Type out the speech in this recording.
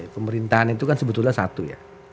pemerintahan itu kan sebetulnya satu ya